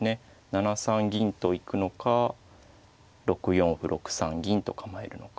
７三銀と行くのか６四歩６三銀と構えるのか。